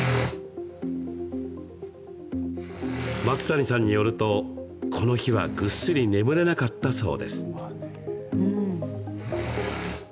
松谷さんによると、この日はぐっすり眠れなかったそうです。